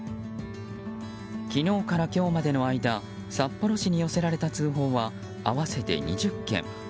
昨日から今日までの間札幌市に寄せられた通報は合わせて２０件。